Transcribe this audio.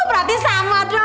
oh berarti sama dong